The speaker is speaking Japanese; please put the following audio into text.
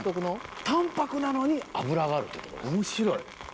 面白い。